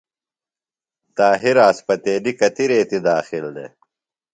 طاہر اسپتیلیۡ کتیۡ ریتیۡ داخل دےۡ؟